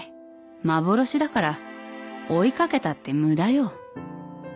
幻だから追い掛けたって無駄よ」